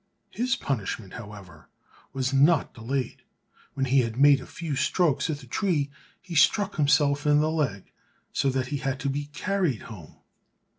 His punishment, however, was not delayed; when he had made a few strokes at the tree he struck himself in the leg, so that he had to be carried home.